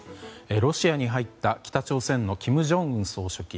ロシアに入った北朝鮮の金正恩総書記。